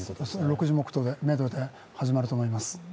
６時めどで始まると思います。